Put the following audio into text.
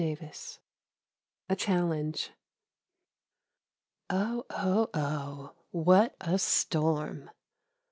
XXXII A CHALLENGE Oh! Oh! Oh! What a storm!